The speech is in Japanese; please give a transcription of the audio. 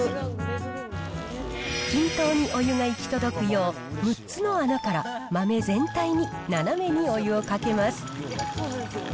均等にお湯が行き届くよう、６つの穴から豆全体に斜めにお湯をかけます。